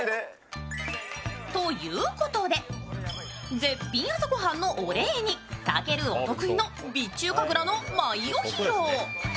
絶品朝ごはんのお礼にたけるお得意の備中神楽の舞を披露。